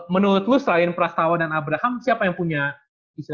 menurut lu selain prasatawa dan abraham siapa yang punya last shot